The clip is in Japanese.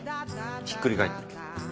ひっくり返ってるけど。